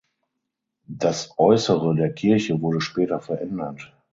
Das Äußere der Kirche wurde später verändert.